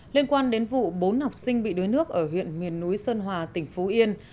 liên quan đến vụ bốn học sinh bị đuối nước ở huyện miền núi sơn hòa tỉnh phú yên